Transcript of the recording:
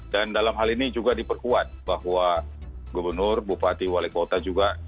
dan dalam hal ini juga diperkuat bahwa gubernur bupati wali kota juga